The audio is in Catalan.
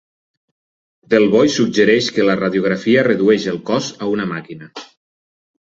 Delvoye suggereix que la radiografia redueix el cos a una màquina.